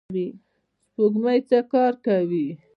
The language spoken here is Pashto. سپوږمکۍ څه کار کوي؟